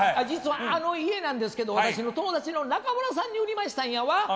実はあの家なんですけど私の友達の中村さんに売りましたんやわ。